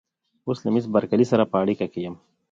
اوس له مېس بارکلي سره په اړیکه کې یم.